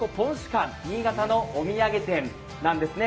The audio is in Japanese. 館新潟のお土産店なんですね。